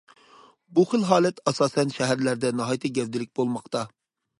بۇ خىل ھالەت ئاساسەن شەھەرلەردە ناھايىتى گەۋدىلىك بولماقتا.